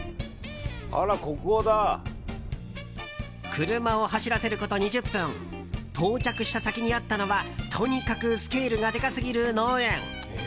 車を走らせること２０分到着した先にあったのはとにかくスケールがでかすぎる農園。